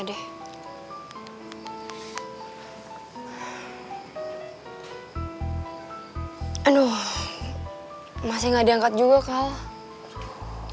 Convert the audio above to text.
kalo dia nggak mau ketemu sama gue